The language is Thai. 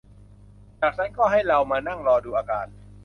จากนั้นก็ให้เรามานั่งรอดูอาการ